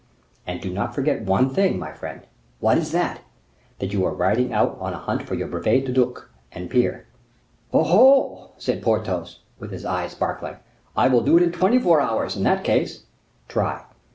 "And do not forget one thing, my friend." "What is that?" "That you are riding out on a hunt for your brevet of duc and peer." "Oh! oh!" said Porthos, with his eyes sparkling; "I will do it in twenty four hours, in that case." "Try."